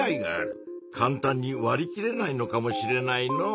かんたんにわりきれないのかもしれないのう。